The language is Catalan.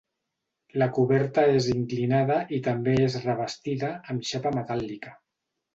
La coberta és inclinada i també és revestida, amb xapa metàl·lica.